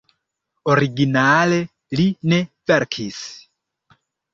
Originale li ne verkis.